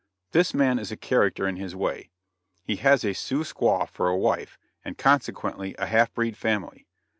This man is a character in his way; he has a Sioux squaw for a wife, and consequently a half breed family.